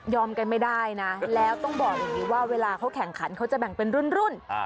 กันไม่ได้นะแล้วต้องบอกอย่างนี้ว่าเวลาเขาแข่งขันเขาจะแบ่งเป็นรุ่น